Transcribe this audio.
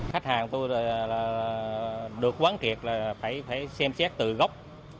khách hàng tôi được quán kiệt là phải xem xét từ gốc